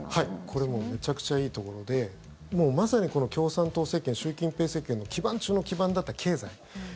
これはもうめちゃくちゃいいところでまさに共産党政権、習近平政権の基盤中の基盤だった経済。